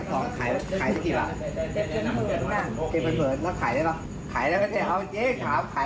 โดยที่คุณเดินได้มากเข้ากัน